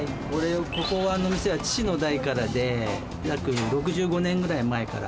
ここの店は父の代からで約６５年ぐらい前から。